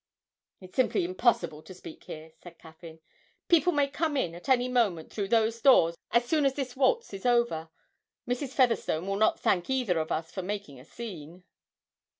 'It's simply impossible to speak here,' said Caffyn. 'People may come in at any moment through those doors as soon as this waltz is over. Mrs. Featherstone will not thank either of us for making a scene.'